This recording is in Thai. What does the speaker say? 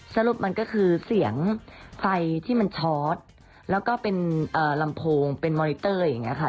สรุปมันก็คือเสียงไฟที่มันชอตแล้วก็เป็นลำโพงเป็นมอนิเตอร์อย่างนี้ค่ะ